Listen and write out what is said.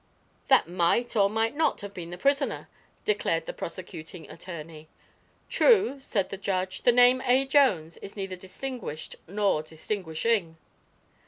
"That might, or might not, have been the prisoner," declared the prosecuting attorney. "True," said the judge. "The name 'A. Jones' is neither distinguished nor distinguishing."